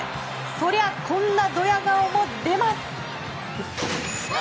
そりゃ、こんなドヤ顔も出ます。